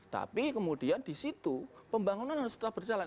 tapi kemudian di situ pembangunan harus tetap berjalan